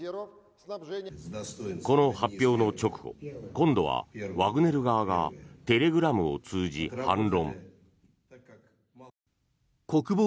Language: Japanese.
この発表の直後今度はワグネル側がテレグラムを通じ、反論。